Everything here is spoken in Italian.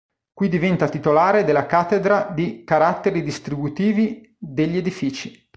Qui diventa titolare della cattedra di Caratteri distributivi degli edifici.